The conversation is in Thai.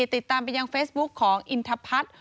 ติดตามไปยังเฟซบุ๊คของอินทพัฒน์